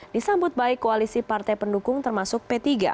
disambut baik koalisi partai pendukung termasuk p tiga